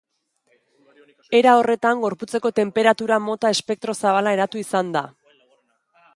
Era horretan gorputzeko tenperatura mota espektro zabala eratu izan da.